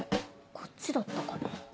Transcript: こっちだったかな？